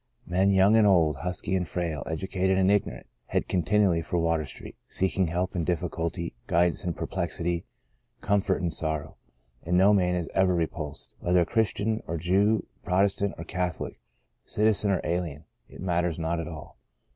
Men, young and old, husky and frail, educated and ignorant, head continually for Water Street, seeking help in difficulty, guidance in perplexity, comfort in sorrow. And no man is ever repulsed. Whether Christian or Jew, Protestant or Catholic, cit izen or alien — it matters not at all.